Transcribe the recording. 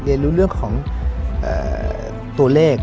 เรียนรู้เรื่องของตัวเลข